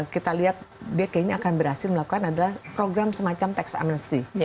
kita lihat dia kayaknya akan berhasil melakukan adalah program semacam tax amnesty